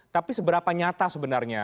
tapi seberapa nyata sebenarnya